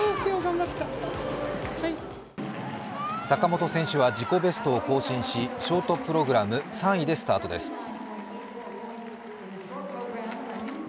坂本選手は自己ベストを更新しショートプログラム３位でスタートです。